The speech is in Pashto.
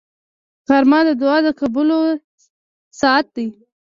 غرمه د دعا د قبولو ساعت دی